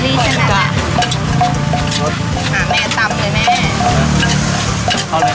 นี่แหละคะ๓๐บาท